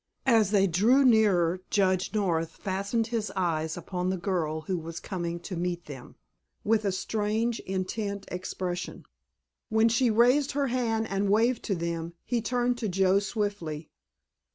As they drew nearer Judge North fastened his eyes upon the girl who was coming to meet them, with a strange, intent expression. When she raised her hand and waved to them he turned to Joe swiftly.